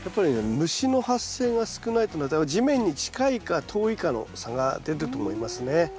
虫の発生が少ないというのは地面に近いか遠いかの差が出ると思いますね。